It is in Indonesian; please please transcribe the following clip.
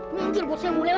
minggir bosnya minggir